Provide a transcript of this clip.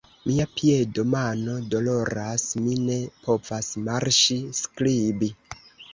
Mia piedo mano doloras, mi ne povas marŝi skribi.